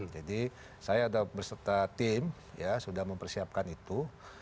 jadi saya ada berserta tim ya sudah mempersiapkan itu